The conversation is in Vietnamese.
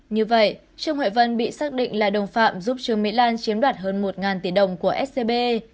như vậy trương huệ vân bị xác định là đồng phạm giúp trương mỹ lan chiếm đoạt hơn một tỷ đồng của scb